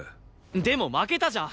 でも負けたじゃん！